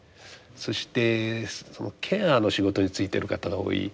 そしてそのケアの仕事に就いている方が多い。